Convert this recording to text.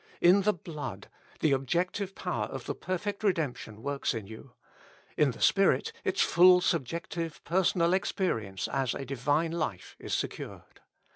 In the Blood, the objective power of the perfect redemp tion works in you : in the Spirit^ its full subjective personal experience as a divine life is secured.